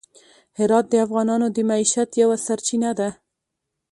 هرات د افغانانو د معیشت یوه سرچینه ده.